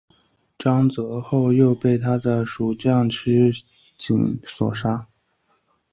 张津后又被他的属将区景所杀。